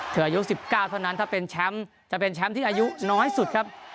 อายุ๑๙เท่านั้นถ้าเป็นแชมป์จะเป็นแชมป์ที่อายุน้อยสุดครับ